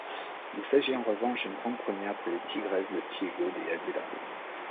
Il s'agit en revanche d'une grande première pour les Tigres de Ciego de Ávila.